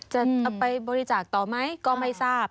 จะไปบริจาคต่อไหมก็ไม่ทราบ